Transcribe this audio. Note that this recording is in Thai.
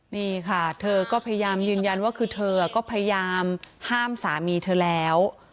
นี่ค่ะเธอก็พยายามยืนยันว่าคือเธอก็พยายามห้ามสามีเธอแล้ว